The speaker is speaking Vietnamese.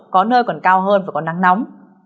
có nơi còn cao hơn và có nắng nóng